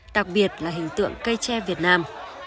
đặc biệt là hình tượng cây tre việt nam